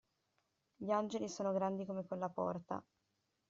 Gli angeli sono grandi come quella porta.